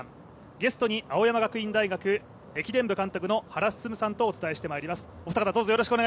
ゲストに青山学院大学駅伝部監督の原晋さんをお迎えしております。